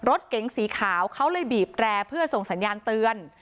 รถเก๋งสีขาวเขาเลยบีบแร่เพื่อส่งสัญญาณเตือน